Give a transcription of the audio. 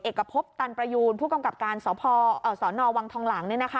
เอกพบตันประยูนผู้กำกับการสนวังทองหลัง